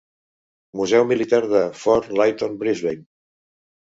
Museu Militar de Fort Lytton, Brisbane.